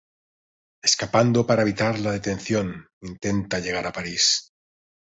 Escapando para evitar la detención, intenta llegar a París.